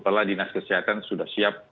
kepala dinas kesehatan sudah siap